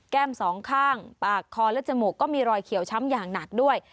สองข้างปากคอและจมูกก็มีรอยเขียวช้ำอย่างหนักด้วย